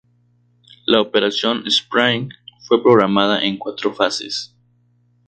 La Operación Spring fue programada en cuatro fases.